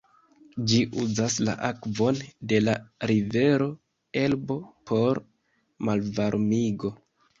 Ĝi uzas la akvon de la rivero Elbo por malvarmigo.